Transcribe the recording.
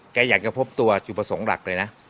อยากจะพบตัวจุดประสงค์หลักเลยนะ